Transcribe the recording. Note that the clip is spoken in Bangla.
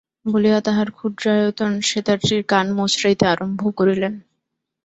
বলিয়া তাঁহার ক্ষুদ্রায়তন সেতারটির কান মোচড়াইতে আরম্ভ করিলেন।